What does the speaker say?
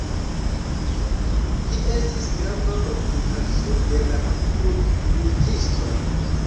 Ĝi estis grava fortikaĵo de la krucmilitistoj.